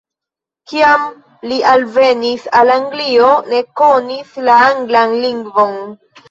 Kiam li alvenis al Anglio ne konis la anglan lingvon.